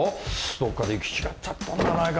どっかで行き違っちゃったんじゃないかな？